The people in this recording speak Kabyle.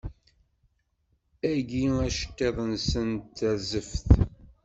Agi aceṭṭiḍ-nsen d terzeft.